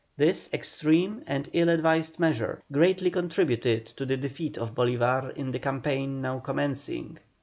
This extreme and ill advised measure greatly contributed to the defeat of Bolívar in the campaign now commencing.